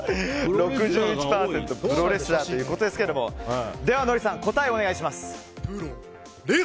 ６１％がプロレスラーということですけどではノリさん答えをお願いします。